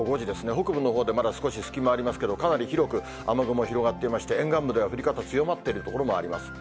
北部のほうでまだ少し隙間ありますけど、かなり広く雨雲広がっていまして、沿岸部では降り方強まっている所もあります。